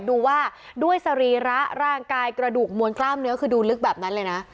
ดูว่าด้วยสรีระร่างกายกระดูกมวลกล้ามเนื้อคือดูลึกแบบนั้นเลยนะ